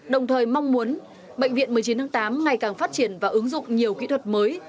đồng thời mong muốn bệnh viện một mươi chín tháng tám ngày càng phát triển và ứng dụng nhiều kỹ thuật mới